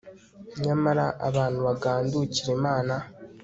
nyamara abantu bagandukira imana